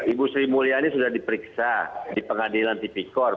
ibu sri mulyani sudah diperiksa di pengadilan tipikor